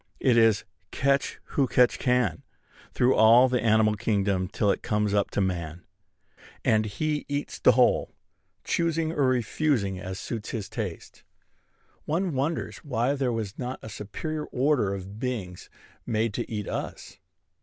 It is "catch who catch can" through all the animal kingdom till it comes up to man; and he eats the whole, choosing or refusing as suits his taste. One wonders why there was not a superior order of beings made to eat us.